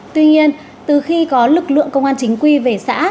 tuy nhiên từ khi có lực lượng công an chính quy về xã